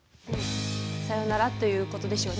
「さよなら」という事でしょうね。